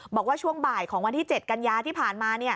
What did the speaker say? บอกว่าช่วงบ่ายของวันที่๗กันยาที่ผ่านมา